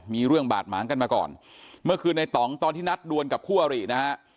มีเรื่องบาดหมางกันมาก่อนเมื่อคืนในต่องตอนที่นัดดวนกับคู่อรินะฮะ